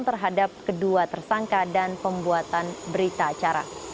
terhadap kedua tersangka dan pembuatan berita acara